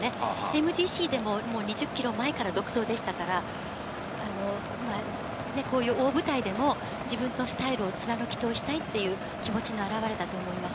ＭＧＣでももう２０キロ前から独走でしたから、こういう大舞台でも、自分のスタイルを貫き通したいっていう気持ちの表れだと思い